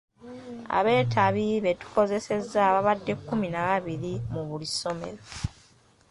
Abeetabi betukozesezza babadde kkumi na babiri mu buli ssomero.